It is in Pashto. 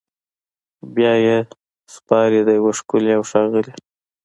بیا یې سپاري د یو ښکلي اوښاغلي